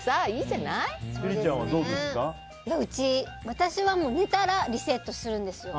私は寝たらリセットするんですよ。